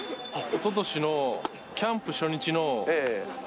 おととしのキャンプ初日の３０００